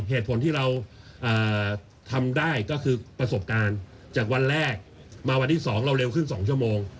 เหตุผลที่เราทำได้ก็คือประสบการณ์จากวันแรกมาวันที่๒เราเร็วขึ้น๒ชั่วโมง